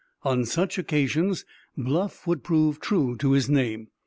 On such occasions Bluff would prove true to his name.